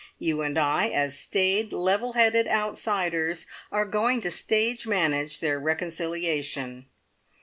You and I, as staid, level headed outsiders, are going to stage manage their reconciliation."